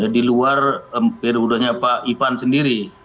di luar pada udahnya pak ivan sendiri